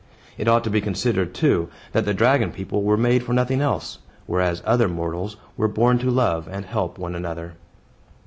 It ought to be considered, too, that the dragon people were made for nothing else; whereas other mortals were born to love and help one another.